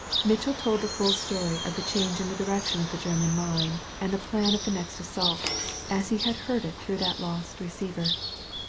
Mitchell told the full story of the change in the direction of the German mine and the plan of the next assault, as he had heard it through that lost receiver.